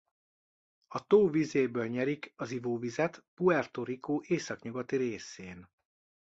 A tó vizéből nyerik az ivóvizet Puerto Rico északnyugati részén.